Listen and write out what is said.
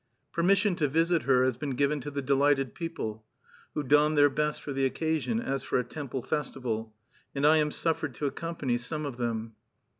Permission to visit her has been given to the delighted people, who don their best for the occasion, as for a temple festival, and I am suffered to accompany some of them.